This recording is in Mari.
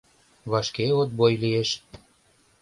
— Вашке отбой лиеш.